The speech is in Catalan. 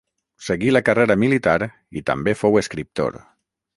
Seguí la carrera militar i també fou escriptor.